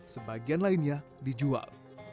sebagian lainnya dijual